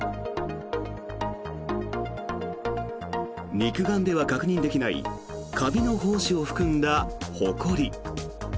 肉眼では確認できないカビの胞子を含んだほこり。